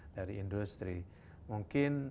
dari industri mungkin